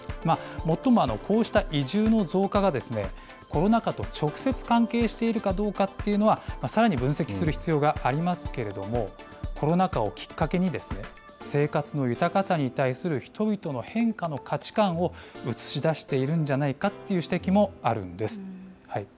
最もこうした移住の増加が、コロナ禍と直接関係しているかどうかっていうのはさらに分析する必要がありますけれども、コロナ禍をきっかけに、生活の豊かさに対する人々の変化の価値観を映し出しているんじゃないかっていう指摘もあるんです。